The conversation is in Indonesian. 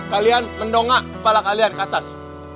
kalian mendongak kepala kalian ke atas